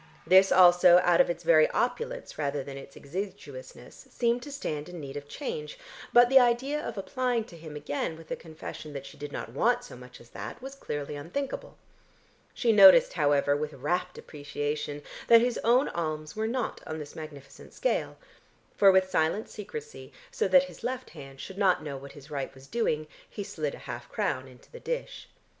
This also out of its very opulence rather than its exiguousness seemed to stand in need of change, but the idea of applying to him again with the confession that she did not want so much as that was clearly unthinkable. She noticed, however, with rapt appreciation that his own alms were not on this magnificent scale, for with silent secrecy, so that his left hand should not know what his right was doing, he slid a half crown into the dish.